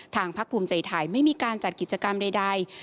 พักภูมิใจไทยไม่มีการจัดกิจกรรมใด